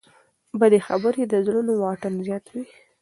بدې خبرې د زړونو واټن زیاتوي.